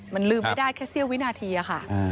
มันลืมไม่ได้แค่เสี้ยววินาทีค่ะ